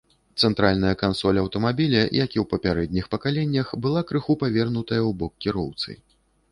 Цэнтральная кансоль аўтамабіля, як і ў папярэдніх пакаленнях, была крыху павернутая ў бок кіроўцы.